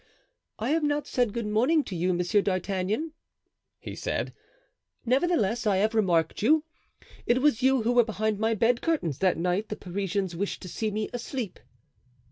"I have not said good morning to you, Monsieur d'Artagnan," he said; "nevertheless, I have remarked you. It was you who were behind my bed curtains that night the Parisians wished to see me asleep."